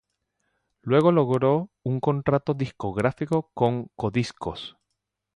Luego logró un contrato discográfico con Codiscos.